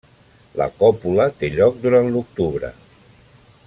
La còpula té lloc durant l'octubre.